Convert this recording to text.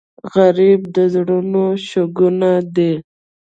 غریب د زړونو شګونه دی